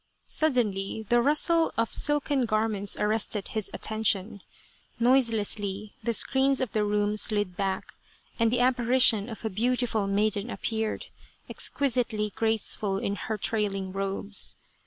Suddenly, the rustle of silken garments arrested his attention ; noiselessly the screens of the room slid back, and the apparition of a beautiful maiden appeared, exquisitely graceful in her trailing robes.